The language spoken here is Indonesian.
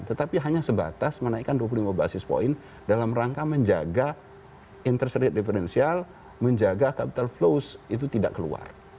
tetapi hanya sebatas menaikkan dua puluh lima basis point dalam rangka menjaga interest rate differential menjaga capital flows itu tidak keluar